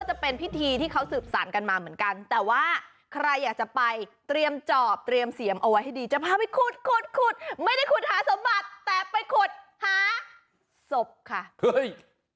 จะเป็นพิธีที่เขาสืบสารกันมาเหมือนกันแต่ว่าใครอยากจะไปเตรียมจอบเตรียมเสียมเอาไว้ให้ดีจะพาไปขุดขุดขุดไม่ได้ขุดหาสมบัติแต่ไปขุดหาศพค่ะเฮ้ย